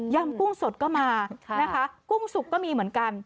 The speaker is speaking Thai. ยำกุ้งสดก็มากุ้งสุกก็มีเหมือนกัน